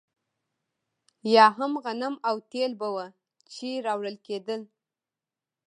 یا هم غنم او تېل به وو چې راوړل کېدل.